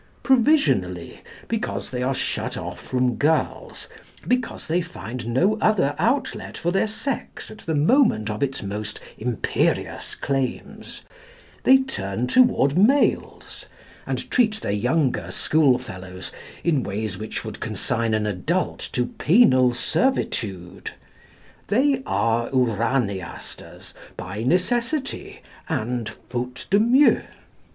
Provisionally, because they are shut off from girls, because they find no other outlet for their sex at the moment of its most imperious claims, they turn toward males, and treat their younger school fellows in ways which would consign an adult to penal servitude. They are Uraniasters by necessity and faute de mieux.